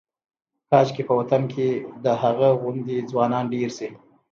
کاشکې په وطن کې د هغه غوندې ځوانان ډېر شي.